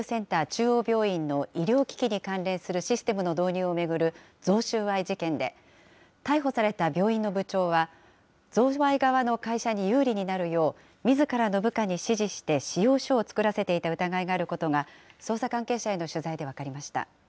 中央病院の医療機器に関連するシステムの導入を巡る贈収賄事件で、逮捕された病院の部長は、贈賄側の会社に有利になるよう、みずからの部下に指示して仕様書を作らせていた疑いがあることが、捜査関係者への取材で分かりました。